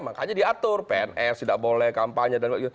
makanya dia diatur pns tidak boleh kampanye